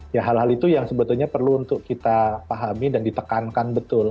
ya hal hal itu yang sebetulnya perlu untuk kita pahami dan ditekankan betul